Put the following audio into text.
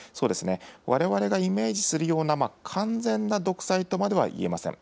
われわれがイメージするような、完全な独裁とまではいえません。